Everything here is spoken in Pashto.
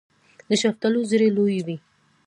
د شفتالو زړې لویې وي.